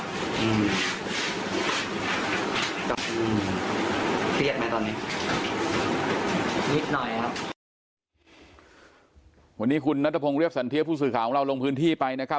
อืมเปรียบไหมตอนนี้นิดหน่อยครับวันนี้คุณนัทพงศ์เรียบสันเทียบผู้สื่อข่าวของเราลงพื้นที่ไปนะครับ